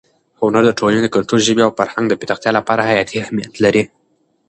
هنر د ټولنې د کلتور، ژبې او فکر د پراختیا لپاره حیاتي اهمیت لري.